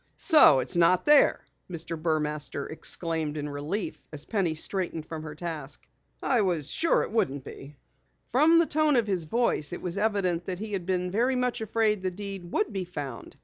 "So it's not there!" Mr. Burmaster exclaimed in relief as Penny straightened from her task. "I was sure it wouldn't be!" From the tone of his voice it was evident that he had been very much afraid the deed would be found.